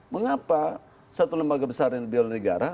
mengapa satu lembaga besar yang di biar negara